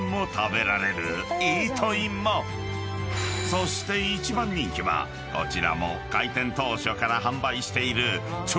［そして一番人気はこちらも開店当初から販売している］